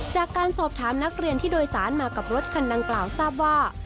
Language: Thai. จากการสอบถามนักเรียนที่โดยสารมากับรถคันดังกล่าวทราบว่า